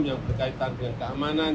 yang berkaitan dengan keamanan